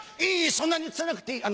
そんなに移さなくていい。